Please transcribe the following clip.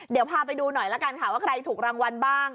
เดี๋ยวพาไปดูหน่อยละกันค่ะว่าใครถูกรางวัลบ้าง